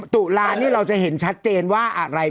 ตุลานี่เราจะเห็นชัดเจนว่าอะไร